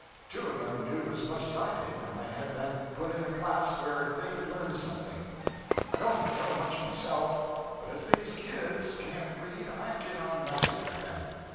two of them new as much as i did & i had them put in a class where they could learn something. i dont no much myself, but as these kids cant read i get on nicely with them.